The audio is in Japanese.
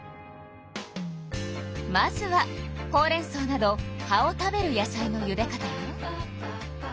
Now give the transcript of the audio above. まずはほうれんそうなど葉を食べる野菜のゆで方よ。